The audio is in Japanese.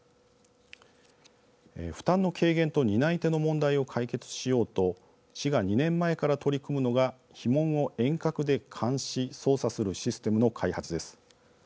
負担の軽減と担い手の問題を解決しようと市が２年前から取り組むのが樋門を遠隔で監視・操作するシステムの開発です。